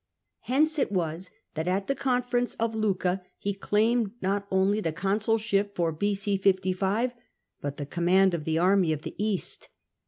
Hence it was that at the conference of Lucca he claimed not only the consulship for b.c. 55, but the command of the army of the East.